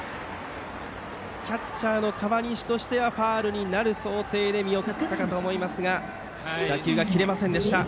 キャッチャーの河西としてはファウルになる想定で見送ったかと思いますが打球が切れませんでした。